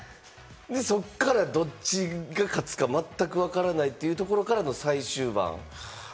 そっから、どっちが勝つかまったく分からないというところからの最終盤。